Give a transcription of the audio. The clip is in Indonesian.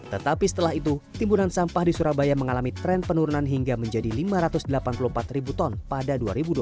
tetapi setelah itu timbunan sampah di surabaya mengalami tren penurunan hingga menjadi lima ratus delapan puluh empat ribu ton pada dua ribu dua puluh